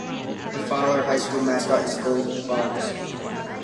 The Fowler High School mascot is Goldbugs.